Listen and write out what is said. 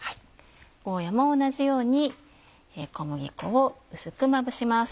ゴーヤも同じように小麦粉を薄くまぶします。